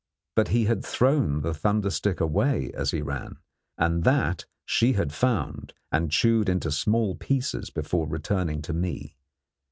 But he had thrown the thunder stick away as he ran, and that she had found and chewed into small pieces before returning to me.